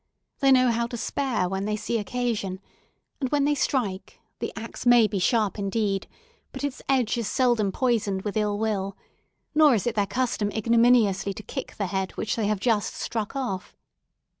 They know how to spare when they see occasion; and when they strike, the axe may be sharp indeed, but its edge is seldom poisoned with ill will; nor is it their custom ignominiously to kick the head which they have just struck off.